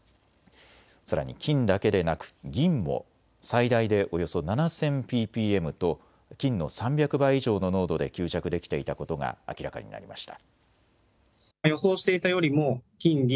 さらに金だけでなく銀も最大でおよそ７０００ｐｐｍと金の３００倍以上の濃度で吸着できていたことが明らかになりました。